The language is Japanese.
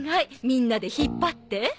みんなで引っ張って。